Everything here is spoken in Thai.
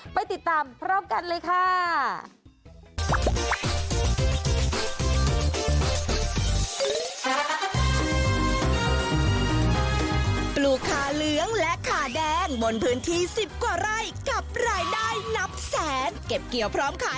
ไปติดตามพร้อมกันเลยค่ะ